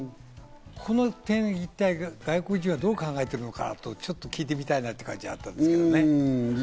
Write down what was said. この点、一体外国人はどう考えているのかと、ちょっと聞いてみたい感じがあったんですけどね。